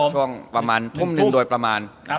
ช่วงประมาณทุ่มหนึ่งโดยประมาณ